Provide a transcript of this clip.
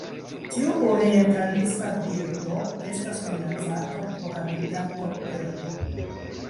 Tiu orientalisa birdo estas minacata pro habitatoperdo.